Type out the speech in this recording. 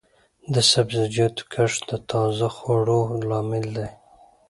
د سبزیجاتو کښت د تازه خوړو لامل دی.